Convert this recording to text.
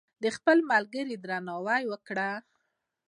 د خپلو ملګرو درناوی وکړئ.